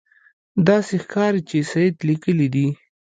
داسې ښکاري چې سید لیکلي دي.